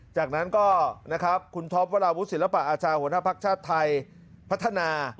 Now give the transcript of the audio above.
จากนั้นก็นะครับคุณท็อปวราวุศิลปะอาชาหัวหน้าภักดิ์ชาติไทยพัฒนา